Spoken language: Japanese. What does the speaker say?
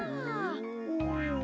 お！